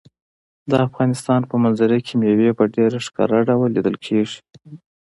د افغانستان په منظره کې مېوې په ډېر ښکاره ډول لیدل کېږي.